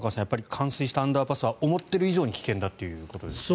冠水したアンダーパスは思っている以上に危険だということですね。